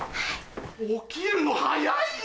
起きるの早いよ！